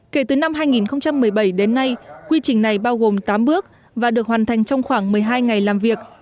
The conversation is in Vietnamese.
kể từ năm hai nghìn một mươi bảy đến nay quy trình này bao gồm tám bước và được hoàn thành trong khoảng một mươi hai ngày làm việc